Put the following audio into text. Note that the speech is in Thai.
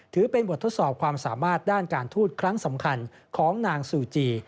ถือเป็นบททดสอบความสามารถด้านการทูตครั้งสำคัญของนางซูจี